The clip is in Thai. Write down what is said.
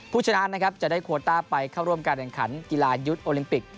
ผู้ชนะนะครับจะได้โคต้าไปเข้าร่วมการแข่งขันกีฬายุทธ์โอลิมปิก